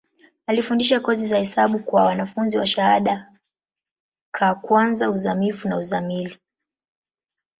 Alifundisha kozi za hesabu kwa wanafunzi wa shahada ka kwanza, uzamivu na uzamili.